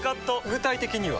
具体的には？